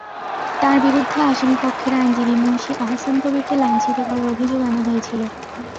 তাঁর বিরুদ্ধে আসামিপক্ষের আইনজীবী মুন্সি আহসান কবিরকে লাঞ্ছিত করার অভিযোগ আনা হয়েছিল।